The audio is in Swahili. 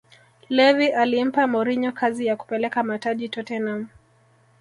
levvy alimpa mourinho kazi ya kupeleka mataji tottenham